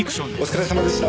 お疲れさまです。